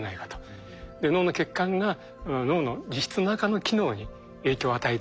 脳の血管が脳の実質中の機能に影響を与えてる。